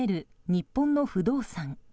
日本の不動産。